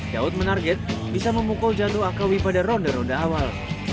daud menarget bisa memukul jatuh akawi pada ronde ronde awal